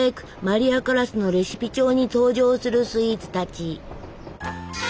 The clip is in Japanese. マリア・カラスのレシピ帳に登場するスイーツたち。